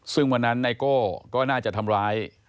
ซึ่งวันนั้นไนโก้ก็น่าจะทำร้าย